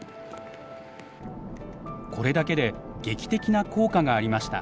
これだけで劇的な効果がありました。